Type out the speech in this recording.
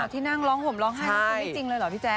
ที่นั่งร้องผมร้องให้ไม่ใช่จริงเลยเหรอพี่แจ๊ก